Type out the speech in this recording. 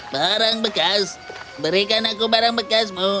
barang bekas berikan aku barang bekasmu